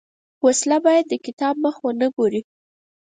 وسله باید د کتاب مخ ونه ګوري